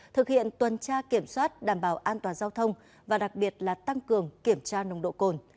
thực hiện tuần tra kiểm soát đảm bảo an toàn giao thông và đặc biệt là tăng cường kiểm tra nồng độ cồn